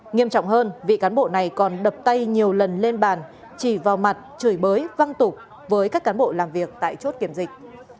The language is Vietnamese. nghiêm trọng hơn vị cán bộ này còn đập tay nhiều lần lên bàn chỉ vào mặt chửi bới văng tục với các cán bộ làm việc tại chốt kiểm dịch